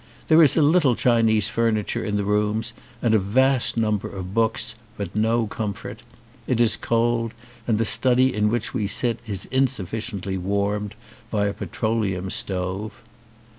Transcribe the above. There is a little Chinese furniture in the rooms and a vast number of books, but no comfort. It is cold and the study in which we sit is insuf ficiently warmed by a petroleum stove.